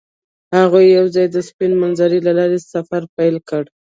هغوی یوځای د سپین منظر له لارې سفر پیل کړ.